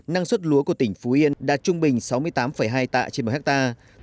năng suất lúa của tỉnh phú yên đạt trung bình sáu mươi tám hai tạ trên một hectare